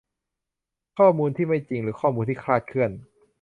ข้อมูลที่ไม่จริงหรือข้อมูลที่คลาดเคลื่อน